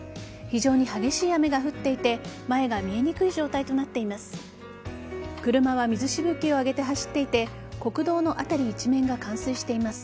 非常に激しい雨が降っていて前が見えにくい状態となっています。